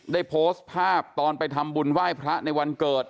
ได้โพสต์ภาพตอนไปทำบุญไหว้พระในวันเกิด